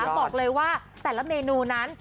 บอกเลยว่าแต่ละเมนูนั้น